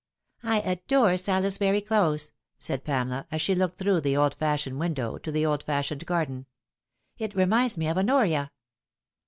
" I adore Salisbury Close," said Pamela, as she looked through the old fashioned window to the old fashioned garden ;" it reminds me of Honoria."